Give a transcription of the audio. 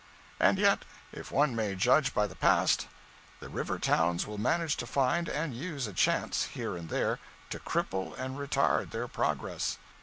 And yet, if one may judge by the past, the river towns will manage to find and use a chance, here and there, to cripple and retard their progress.